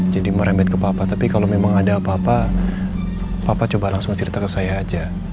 jadi merembet ke papa tapi kalau memang ada apa apa papa coba langsung cerita ke saya aja